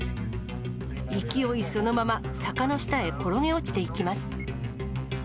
勢いそのまま、坂の下へ転げ落ちていきます。